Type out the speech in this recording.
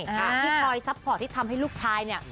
ที่คอยซัพพอร์ตที่ทำให้ลูกชายเนี่ย